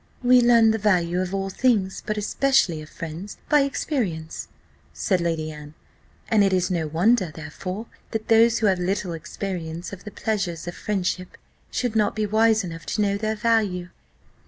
"We learn the value of all things, but especially of friends, by experience," said Lady Anne; "and it is no wonder, therefore, that those who have little experience of the pleasures of friendship should not be wise enough to know their value."